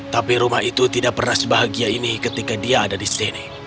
tapi rumah itu tidak pernah sebahagia ini ketika dia ada di sini